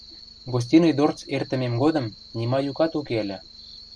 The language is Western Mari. Гостиный дорц эртӹмем годым нима юкат уке ыльы.